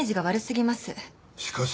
しかし。